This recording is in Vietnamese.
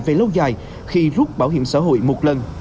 về lâu dài khi rút bảo hiểm xã hội một lần